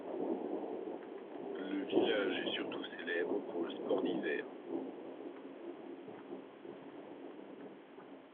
Le village est surtout célèbre pour le sport d’hiver.